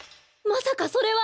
まさかそれは。